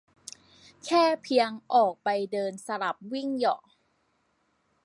แค่เพียงออกไปเดินสลับวิ่งเหยาะ